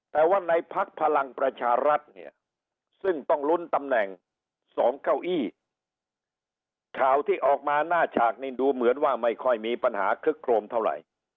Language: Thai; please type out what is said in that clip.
แต่ว่าในพักพลังประชารัฐเนี่ยซึ่งต้องลุ้นตำแหน่ง๒เก้าอี้ข่าวที่ออกมาหน้าฉากนี่ดูเหมือนว่าไม่ค่อยมีปัญหาคลึกโครมเท่าไหร่